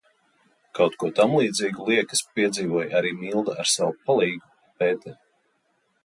"Kaut ko tamlīdzīgu, liekas, piedzīvoja arī Milda ar savu "palīgu" Pēteri."